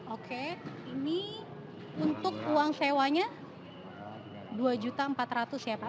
oke ini untuk uang sewanya rp dua empat ratus ya pak